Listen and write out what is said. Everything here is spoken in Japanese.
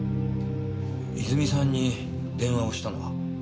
泉さんに電話をしたのは？